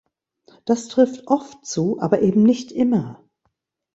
Das trifft oft zu, aber eben nicht immer.